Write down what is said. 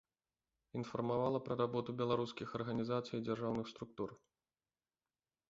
Інфармавала пра работу беларускіх арганізацый і дзяржаўных структур.